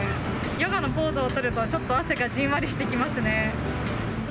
ヨガのポーズを取ると、ちょっと汗がじんわりしてきますね。